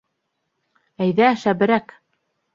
— Әйҙә шәберәк!